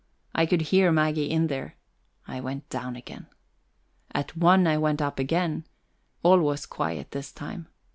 I could hear Maggie in there; I went down again. At one I went up again; all was quiet this time.